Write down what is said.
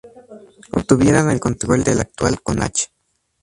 Obtuvieron el control del actual Connacht.